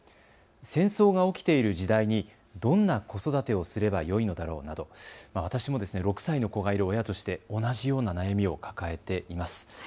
戦争が起きている時代にどんな子育てをすればよいのだろうなど私も６歳の子がいる親として同じような悩みを抱えています。